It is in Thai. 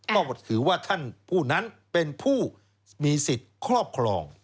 ก็ถือว่าท่านผู้นั้นเป็นผู้มีสิทธิ์ครอบครอง